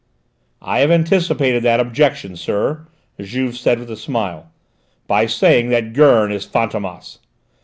"I have anticipated that objection, sir," Juve said with a smile, "by saying that Gurn is Fantômas!